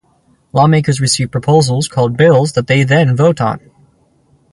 Lawmakers receive proposals called ‘bills’ that they then vote on.